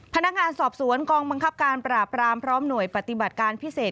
พนักงานสอบสวนกองบังคับการปราบรามพร้อมหน่วยปฏิบัติการพิเศษ